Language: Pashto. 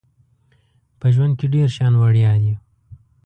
په ژوند کې ډیر شیان وړيا دي